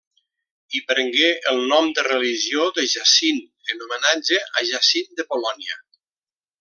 Hi prengué el nom de religió de Jacint, en homenatge a Jacint de Polònia.